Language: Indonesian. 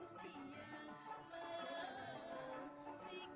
sikapmu yang menangguhkan